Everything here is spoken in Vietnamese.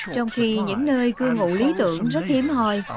trong khi những nơi cư ngụ lý tưởng rất hiếm hoi